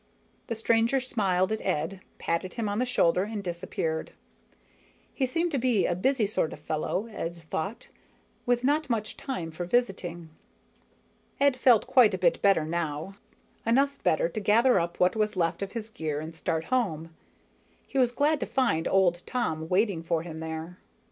The stranger smiled at Ed, patted him on the shoulder, and disappeared. He seemed to be a busy sort of fellow, Ed thought, with not much time for visiting. Ed felt quite a bit better now, enough better to gather up what was left of his gear and start home. He was glad to find old Tom waiting for him there.